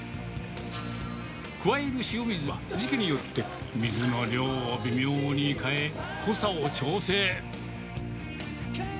加える塩水は、時期によって水の量を微妙に変え、濃さを調整。